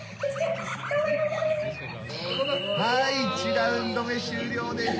はい１ラウンド目終了です。